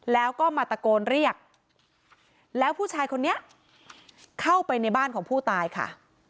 แล้วก็มาตะโกนเรียกแล้วผู้ชายคนนี้เข้าไปในบ้านของผู้ตายค่ะ